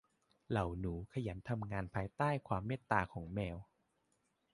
เหล่าหนูขยันทำงานภายใต้ความเมตตาของแมว